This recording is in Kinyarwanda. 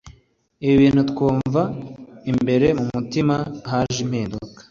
Ibi bituma twumva imbere mu mitima haje impinduka